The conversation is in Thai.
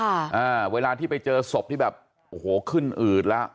อ่าเวลาที่ไปเจอศพที่แบบโอ้โหขึ้นอืดแล้ว